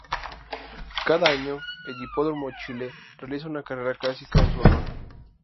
Cada año el Hipódromo Chile realiza una carrera clásica en su honor.